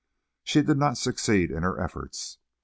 She did not succeed in her efforts.